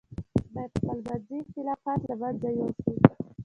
باید خپل منځي اختلافات له منځه یوسو.